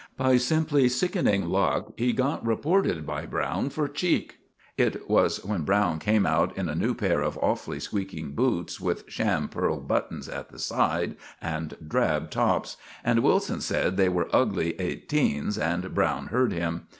By simply sickening luck he got reported by Browne for cheek. It was when Browne came out in a new pair of awfully squeaking boots with sham pearl buttons at the side and drab tops; and Wilson said they were ugly "eighteens" and Browne heard him.